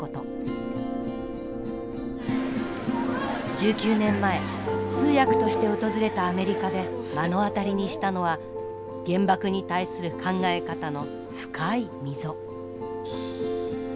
１９年前通訳として訪れたアメリカで目の当たりにしたのは原爆に対する考え方の深い溝。